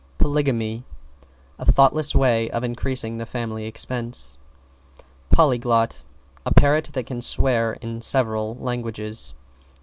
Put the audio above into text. =POLYGAMY= A thoughtless way of increasing the family expenses. =POLYGLOT= A parrot that can swear in several languages.